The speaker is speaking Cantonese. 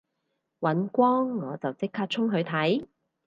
尹光我就即刻衝去睇